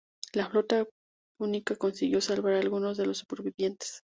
La flota púnica consiguió salvar a algunos de los supervivientes.